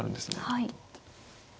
はい。